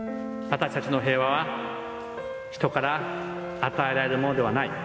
私たちの平和は、人から与えられるものではない。